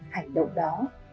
hành động đó